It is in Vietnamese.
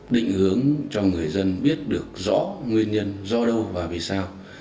định hướng cho người dân biết được rõ nguyên nhân do đâu và vì sao